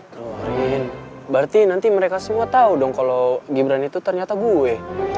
lo rin berarti nanti mereka semua tau dong kalo gibran itu ternyata gue